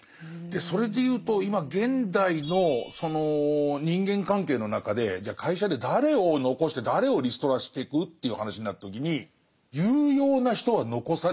それで言うと今現代のその人間関係の中でじゃあ会社で誰を残して誰をリストラしてく？という話になった時に有用な人は残されると思うんですよ。